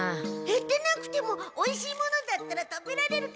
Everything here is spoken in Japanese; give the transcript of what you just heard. へってなくてもおいしいものだったら食べられるから。